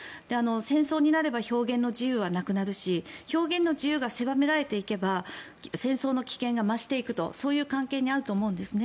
戦争になれば表現の自由はなくなるし表現の自由が狭められていけば戦争の危険が増していくとそういう関係にあると思うんです。